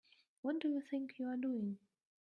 What do you think you're doing?